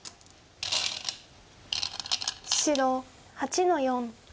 白８の四。